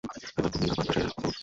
এবার তুমি আমার ভাষায় কথা বলছ।